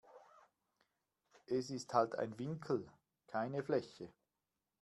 Es ist halt ein Winkel, keine Fläche.